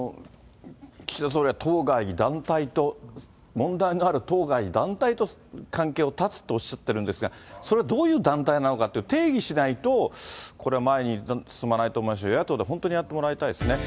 岸田総理は当該団体と、問題のある当該団体と関係を断つとおっしゃってるんですが、それ、どういう団体なのかという定義しないと、これは前に進まないと思いますし、与野党で本当にやってもらいたいですね。